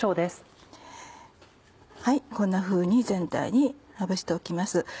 こんなふうに全体にまぶしておきます。